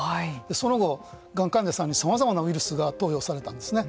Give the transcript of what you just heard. その後、がん患者さんにさまざまなウイルスが投与されたんですね。